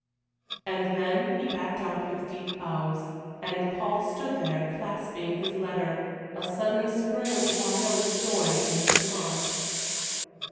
And then he backed out with deep bows, and Paul stood there, clasping his letter, a sudden spring of wild joy in his heart.